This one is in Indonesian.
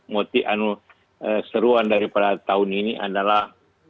motif seruan daripada tahun ini adalah